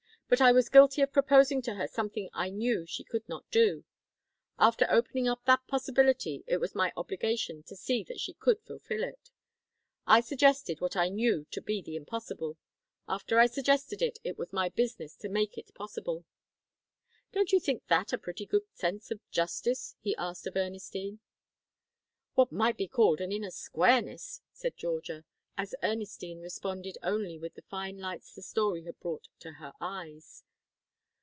But I was guilty of proposing to her something I knew she could not do. After opening up that possibility it was my obligation to see that she could fulfill it. I suggested what I knew to be the impossible; after I suggested it, it was my business to make it possible.' Don't you think that a pretty good sense of justice?" he asked of Ernestine. "What might be called an inner squareness," said Georgia, as Ernestine responded only with the fine lights the story had brought to her eyes.